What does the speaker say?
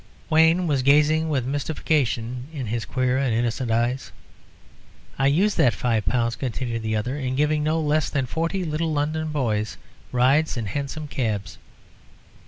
Wayne was gazing with mystification in his queer and innocent eyes. "I used that five pounds," continued the other, "in giving no less than forty little London boys rides in hansom cabs."